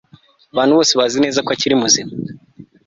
Abantu bose bazi neza ko akiri muzima